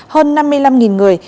hơn năm mươi năm người